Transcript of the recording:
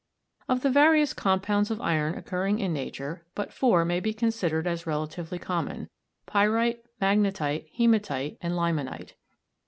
Of the various compounds of iron occurring in nature, but four may be considered as relatively common pyrite, magnetite, hematite, and limonite.